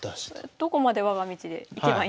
どこまで我が道でいけばいいんですか？